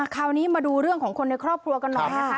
คราวนี้มาดูเรื่องของคนในครอบครัวกันหน่อยนะคะ